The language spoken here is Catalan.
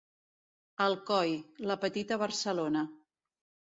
Alcoi, la petita Barcelona.